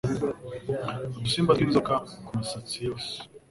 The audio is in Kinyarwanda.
udusimba twinzoka kumisatsi yose